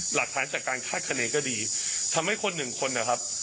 หลักฐานจากการคาดคณีก็ดีทำให้คนหนึ่งคนนะครับ